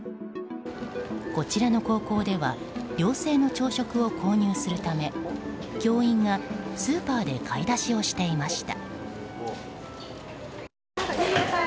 こちらの高校では寮生の朝食を購入するため教員がスーパーで買い出しをしていました。